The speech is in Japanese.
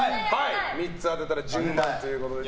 ３つ当てたら１０万円ということで。